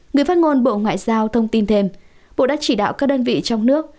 người phát ngôn bộ ngoại giao thông tin thêm bộ đã chỉ đạo các đơn vị trong nước